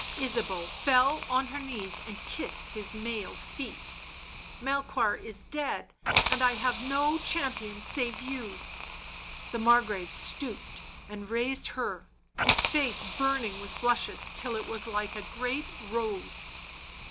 Ysabeau fell on her knees and kissed his mailed feet. " Melchoir is dead, and I have no champion save you." .. The Margrave stooped and raised her, his face burn ing with blushes till it was like a great rose.